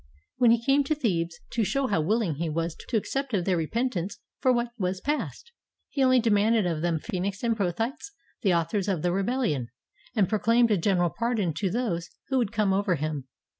When he came to Thebes, to show how willing he was to accept of their repentance for what was past, he only demanded of them Phcenix and Prothytes, the authors of the rebellion, and proclaimed a general pardon to those who would come over to him.